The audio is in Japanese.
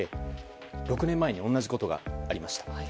６年前に同じことがありました。